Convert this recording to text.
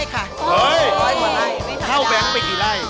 ร้อยกว่าไร่นี่ทางด้านเฮ้ยข้าวแบงค์ไปกี่ไร่